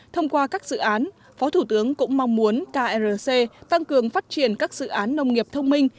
thông qua các dự án phó thủ tướng cũng mong muốn krc tăng cường phát triển các dự án nông nghiệp thông minh